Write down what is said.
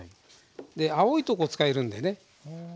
青いとこ使えるんでね。